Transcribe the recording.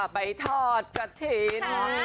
ไปทอดกระถิ่น